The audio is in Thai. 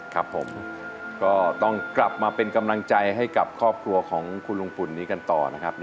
ครับผมก็ต้องกลับมาเป็นกำลังใจให้กับครอบครัวของคุณลุงปุ่นนี้กันต่อนะครับ